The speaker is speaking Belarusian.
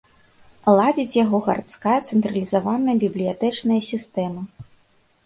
Ладзіць яго гарадская цэнтралізаваная бібліятэчная сістэма.